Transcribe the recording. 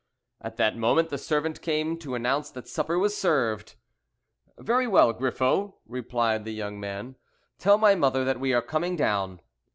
At that moment the servant came to announce that supper was served. "Very well, Griffo," replied the young man; "tell my mother that we are coming down."